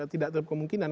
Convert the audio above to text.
tidak terlalu kemungkinan